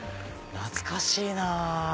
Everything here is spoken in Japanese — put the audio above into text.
懐かしい？